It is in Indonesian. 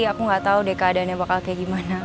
aku gak tau deh keadaannya bakal kayak gimana